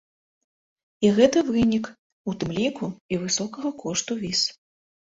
І гэта вынік, у тым ліку, і высокага кошту віз.